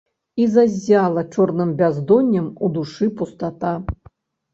І заззяла чорным бяздоннем у душы пустата.